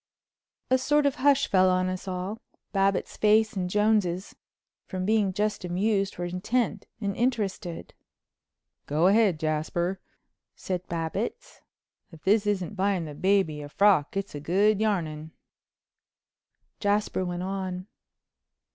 A sort of hush fell on us all. Babbitts's face and Jones's, from being just amused, were intent and interested. "Go ahead, Jasper," said Babbitts, "if this isn't buying the baby a frock it's good yarning." Jasper went on.